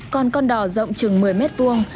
con con đỏ rộng chừng một mươi mét vuông